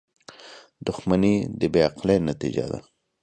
• دښمني د بې عقلۍ نتیجه ده.